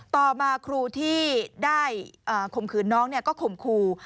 ต่อมาครูที่ได้คมคืนน้องเนี่ยก็คมคู